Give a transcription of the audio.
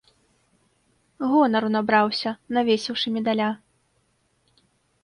Гонару набраўся, навесіўшы медаля.